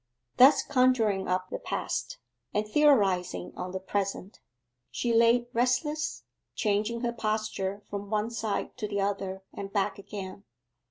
Thus conjuring up the past, and theorizing on the present, she lay restless, changing her posture from one side to the other and back again.